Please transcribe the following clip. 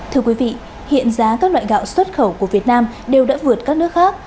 thưa quý vị hiện giá các loại gạo xuất khẩu của việt nam đều đã vượt các nước khác